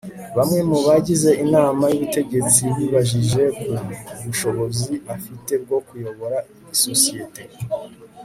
bamwe mu bagize inama y'ubutegetsi bibajije ku bushobozi afite bwo kuyobora isosiyete